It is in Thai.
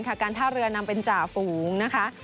การท่าเรือนำเป็นจ่าฝูงนะคะ